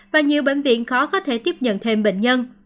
và nhiều bệnh viện khó có thể tiếp nhận thêm bệnh nhân